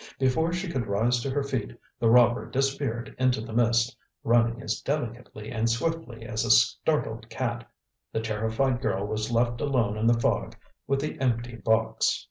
Before she could rise to her feet, the robber disappeared into the mist, running as delicately and swiftly as a startled cat. The terrified girl was left alone in the fog with the empty box.